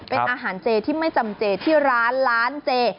เป็นอาหารเจที่ไม่จำเจที่ร้านร้านเจ